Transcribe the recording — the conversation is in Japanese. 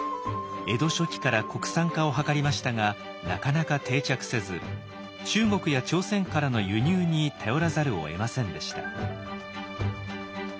江戸初期から国産化を図りましたがなかなか定着せず中国や朝鮮からの輸入に頼らざるをえませんでした。